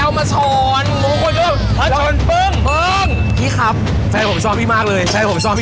เอาแก้วมาชอน